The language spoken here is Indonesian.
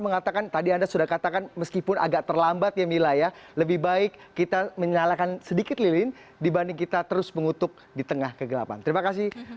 berikut laporannya untuk anda